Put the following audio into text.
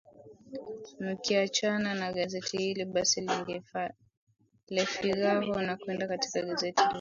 nikiachana na gazeti hili basi lefigaho na kwenda katika gazeti la